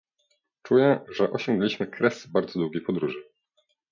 Czuję, że osiągnęliśmy kres bardzo długiej podróży